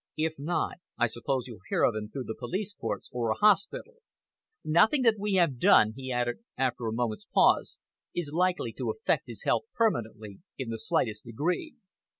If not, I suppose you'll hear of him through the police courts or a hospital. Nothing that we have done," he added, after a moment's pause, "is likely to affect his health permanently in the slightest degree."